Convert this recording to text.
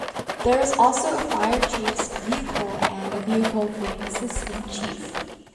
There is also a Fire chief's vehicle and a vehicle for the Assistant Chief.